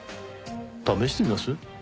試してみます？